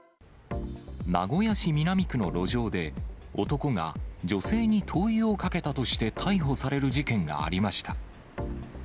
名古屋市南区の路上で、男が女性に灯油をかけたとして逮捕される事件がありました。